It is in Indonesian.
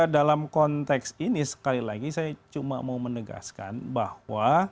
dalam konteks ini sekali lagi saya cuma mau menegaskan bahwa